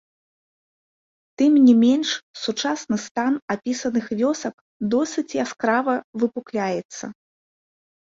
Тым не менш сучасны стан апісаных вёсак досыць яскрава выпукляецца.